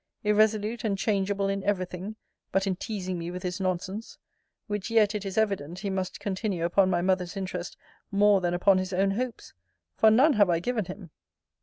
Irresolute and changeable in every thing, but in teasing me with his nonsense; which yet, it is evident, he must continue upon my mother's interest more than upon his own hopes; for none have I given him.